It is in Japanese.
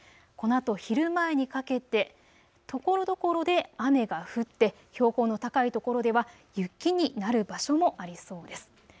このあと昼前にかけてところどころで雨が降って標高の高いところでは雪になる場所もありそうです。